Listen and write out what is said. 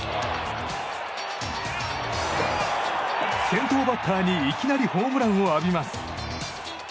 先頭バッターにいきなりホームランを浴びます。